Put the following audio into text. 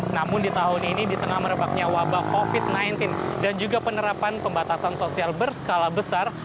namun di tahun ini di tengah merebaknya wabah covid sembilan belas dan juga penerapan pembatasan sosial berskala besar